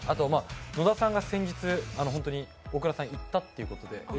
野田さんが先日、本当に大倉さんに行ったということで。